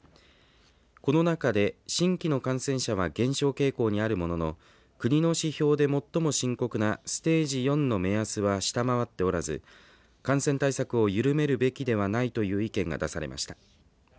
この中で新規の感染者は減少傾向にあるものの国の指標で元も深刻なステージ４の目安は下回っておらず感染対策を緩めるべきではないという意見が出されました。